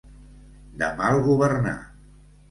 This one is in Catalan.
De mal governar.